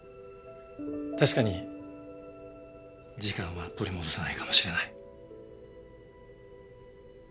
確かに時間は取り戻せないかもしれない。